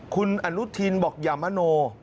คุณอนุทินบอกอย่ามโน